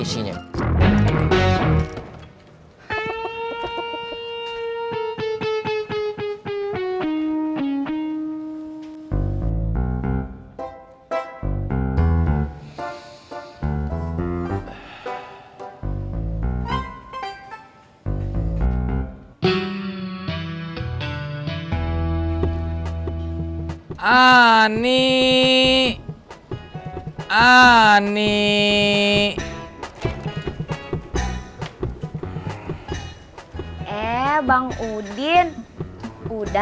syukur dah kalau gitu